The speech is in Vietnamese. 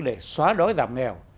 để xóa đói giảm nghèo